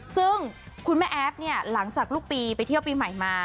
ซึ่งคุณแม่แอฟเนี่ยหลังจากลูกปีไปเที่ยวปีใหม่มา